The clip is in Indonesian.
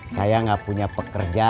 saya nggak punya pekerja